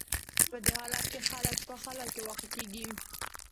په دې حالت کې خلک په خلا کې واقع کېږي.